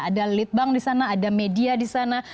ada lead bank di sana ada media di sana